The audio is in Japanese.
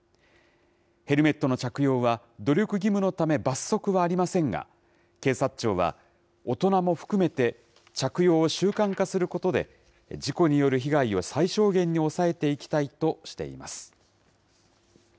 ヘルメットの着用は努力義務のため、罰則はありませんが、警察庁は、大人も含めて着用を習慣化することで、事故による被害を最小限に抑えていきたいとしています。